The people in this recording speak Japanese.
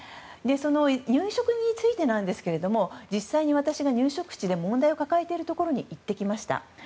入植についてですが実際に私が入植地で問題を抱えているところに行ってきました。